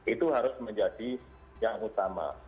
itu harus menjadi yang utama